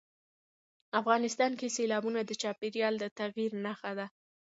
افغانستان کې سیلابونه د چاپېریال د تغیر نښه ده.